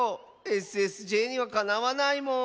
ＳＳＪにはかなわないもん。